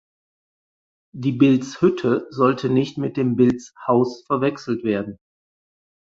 Die Bilz"hütte" sollte nicht mit dem Bilz"haus" verwechselt werden.